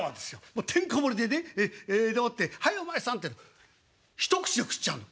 てんこ盛りでねでもって『はいお前さん』って。一口で食っちゃうの。